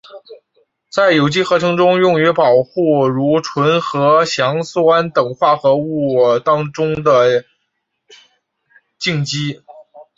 在有机合成中用于保护如醇和羧酸等化合物当中的羟基。